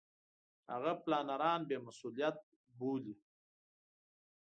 هغه پلانران بې مسولیته بولي.